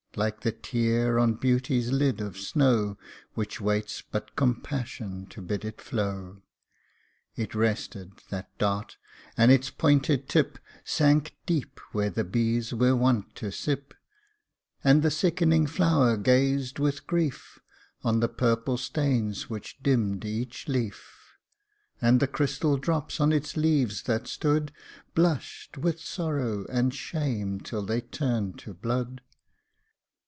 (Like the tear on Beauty's lid of snow, Which waits but Compassion to bid it flow ;) It rested, that dart ; and its pointed tip Sank deep where the bees were wont to sip ; And the sickening flower gazed with grief On the purple stains which dimmed each leaf, And the crystal drops on its leaves that stood Blushed with sorrow and shame till they turned to blood.